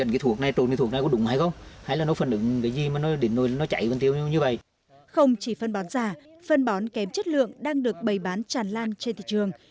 không chỉ phân bón giả phân bón kém chất lượng đang được bày bán tràn lan trên thị trường